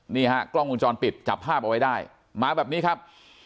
นี่ฮะกล้องวงจรปิดจับภาพเอาไว้ได้มาแบบนี้ครับ